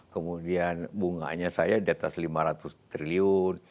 kemudian bunganya saya diatas lima ratus triliun